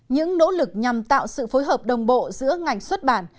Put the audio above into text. những nỗ lực nhằm tạo sự phối hợp đồng bộ giữa ngành xuất bản